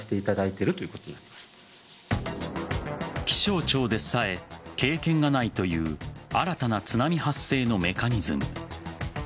気象庁でさえ経験がないという新たな津波発生のメカニズム。